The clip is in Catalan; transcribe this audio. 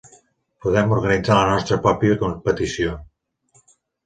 Podem organitzar la nostra pròpia competició.